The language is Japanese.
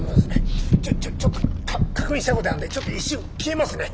ちょっちょっちょっと確認したいことあるんでちょっと一瞬消えますね。